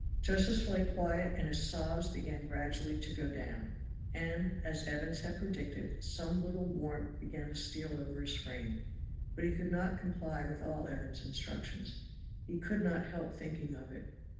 Josephs lay quiet and his sobs began gradually to go down, and, as Evans had predicted, some little warmth began to steal over his frame; but he could not comply with all Evans's instructions; he could not help thinking of it.